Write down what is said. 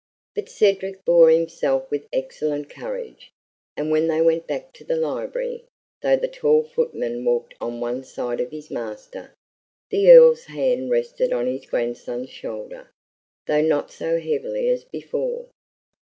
But Cedric bore himself with excellent courage, and when they went back to the library, though the tall footman walked on one side of his master, the Earl's hand rested on his grandson's shoulder, though not so heavily as before.